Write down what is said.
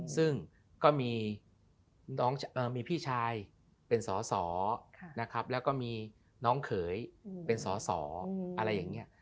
ซึ่งก็มีพี่ชายเป็นสอสอนะครับแล้วก็มีน้องเขยเป็นสอสออะไรอย่างนี้